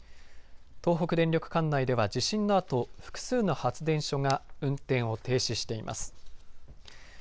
東北電力管内では地震のあと複数の発電所が運転を停止しています。